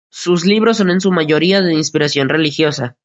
Sus libros son en su mayoría de inspiración religiosa.